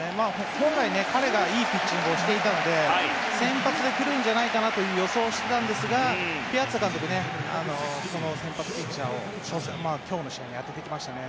本来、彼がいいピッチングをしていたので先発で来るんじゃないかと予想していたんですがピアザ監督はこの先発ピッチャーを今日の試合に充ててきましたね。